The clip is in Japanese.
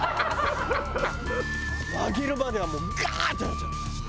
揚げるまではもうガーッ！ってなっちゃうの。